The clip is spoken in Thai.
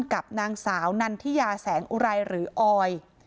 กับนางสาวนันทิยาแสงอุไรหรือออย